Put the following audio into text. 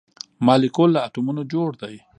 مالیکول له اتومونو جوړ دی